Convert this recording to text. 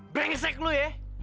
brengsek lu ya